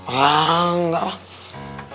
ah enggak ma